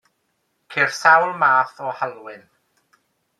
Ceir sawl math o halwyn.